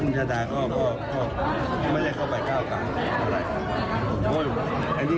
คุณชาดาก็ไม่ได้เข้าไปเข้าการอะไร